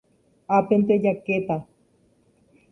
ápente jakéta